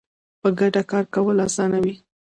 په ګډه کار کول اسانه وي